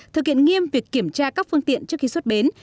thực hiện nghiêm việc kiểm tra các phương tiện trước khi xuất bến